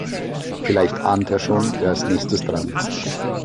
Vielleicht ahnt er schon, wer als nächstes dran ist.